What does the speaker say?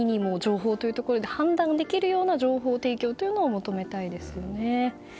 一にも二にも情報提供ということで判断できるような情報提供を求めたいですね。